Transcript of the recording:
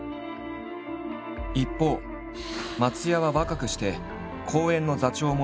一方松也は若くして公演の座長も務める立場。